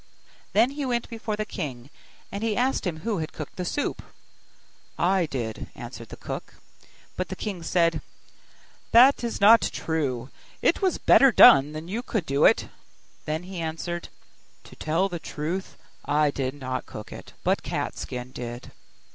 Then he went before the king, and he asked him who had cooked the soup. 'I did,' answered the cook. But the king said, 'That is not true; it was better done than you could do it.' Then he answered, 'To tell the truth I did not cook it, but Cat skin did.